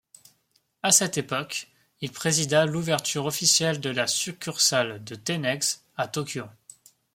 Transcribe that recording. À cette époque, il présida l'ouverture officielle de la succursale de Tenex à Tokyo.